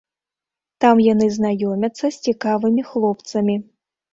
Там яны знаёмяцца з цікавымі хлопцамі.